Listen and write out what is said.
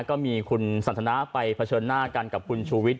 ก็มีคุณสันทนาไปเผชิญหน้ากันกับคุณชูวิทย